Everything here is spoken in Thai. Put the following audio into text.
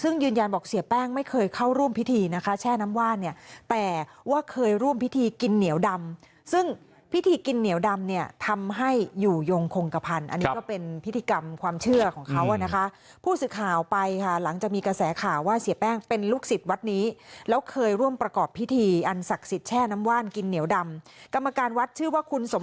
เนี่ยแต่ว่าเคยร่วมพิธีกินเหนียวดำซึ่งพิธีกินเหนียวดำเนี่ยทำให้อยู่ยงคงกระพันอันนี้ก็เป็นพิธีกรรมความเชื่อของเขานะคะผู้สื่อข่าวไปค่ะหลังจะมีกระแสข่าวว่าเสียแป้งเป็นลูกศิษย์วัดนี้แล้วเคยร่วมประกอบพิธีอันศักดิ์สิทธิ์แช่น้ำว่านกินเหนียวดำกรรมการวัดชื่อว